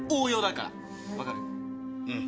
うん。